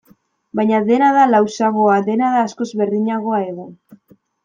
Baina dena da lausoagoa, dena da askoz berdinagoa egun.